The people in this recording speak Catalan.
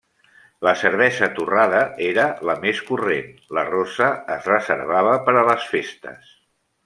La cervesa torrada era la més corrent, la rossa es reservava per a les festes.